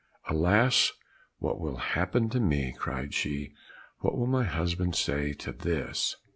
"Alas! what will happen to me?" cried she; "what will my husband say to this?"